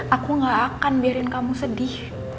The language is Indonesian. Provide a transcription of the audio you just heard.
aku gak akan biarin kamu sedih